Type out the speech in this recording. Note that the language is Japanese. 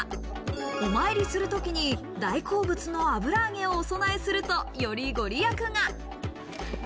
お参りする時に大好物の油揚げをお供えすると、より御利益が。